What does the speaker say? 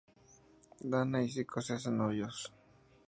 Dana y Zico se hacen novios.